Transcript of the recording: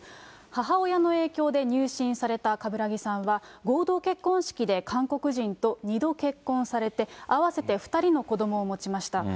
母親の影響で入信された冠木さんは、合同結婚式で韓国人と２度結婚されて、合わせて２人の子どもを持ちました。